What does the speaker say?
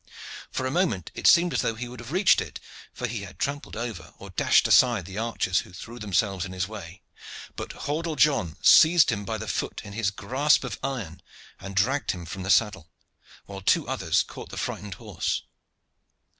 For a moment it seemed as though he would have reached it, for he had trampled over or dashed aside the archers who threw themselves in his way; but Hordle John seized him by the foot in his grasp of iron and dragged him from the saddle, while two others caught the frightened horse.